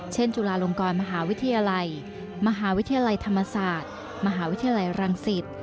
จุฬาลงกรมหาวิทยาลัยมหาวิทยาลัยธรรมศาสตร์มหาวิทยาลัยรังสิต